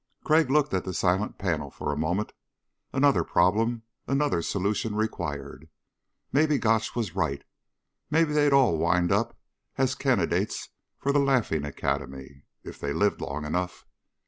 Crag looked at the silent panel for a moment. Another problem, another solution required. Maybe Gotch was right. Maybe they'd all wind up as candidates for the laughing academy if they lived long enough.